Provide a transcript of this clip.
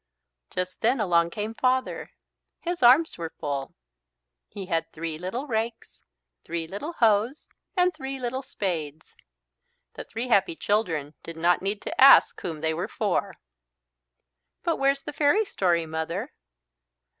Just then along came Father. His arms were full. He had three little rakes, three little hoes, and three little spades. The three happy children did not need to ask whom they were for. "But where's the fairy story, Mother?"